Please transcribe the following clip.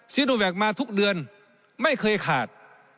ซีโนแวคมาทุกเดือนไม่เคยขาด